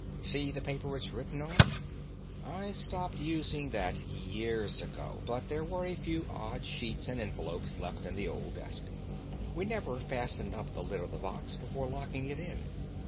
"See the paper it's written on? I stopped using that years ago, but there were a few odd sheets and envelopes left in the old desk. We never fastened up the lid of the box before locking it in.